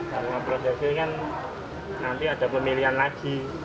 karena prosesnya kan nanti ada pemilihan lagi